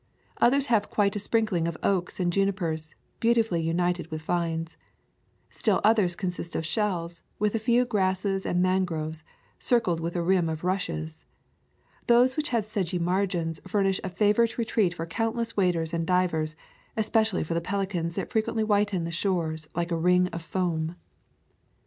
Others have quite a sprinkling of oaks and junipers, beautifully united with vines. Still others consist of shells, with a few grasses and mangroves, circled with a rim of rushes. Those which have sedgy margins furnish a favorite retreat for countless waders and divers, espe cially for the pelicans that frequently whiten the shore like a ring of foam.